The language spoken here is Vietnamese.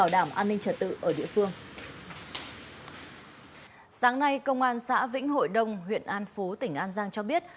sáng nay công an xã vĩnh hội đông huyện an phú tỉnh an giang cho biết